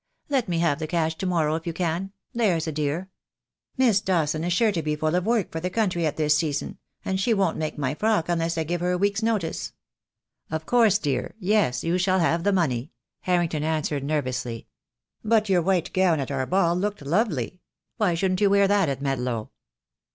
Let me have the cash to morrow if you can, there's a dear. Miss Dawson is sure to be THE DAY WILL COME. 31? full of work for the country at this season, and she won't make my frock unless I give her a week's notice." "Of course, dear, yes, you shall have the money," Harrington answered nervously; "but your white gown at our ball looked lovely. Why shouldn't you wear that at Medlow?"